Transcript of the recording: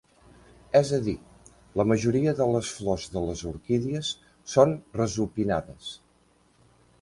És a dir, la majoria de les flors de les orquídies són resupinades.